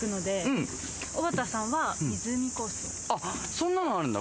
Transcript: そんなのあるんだ。